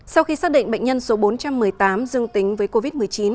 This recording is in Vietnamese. sau khi xác định bệnh nhân số bốn trăm một mươi tám dương tính với covid một mươi chín